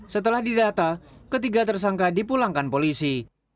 setelah didata ketiga tersangka dipulangkan polisi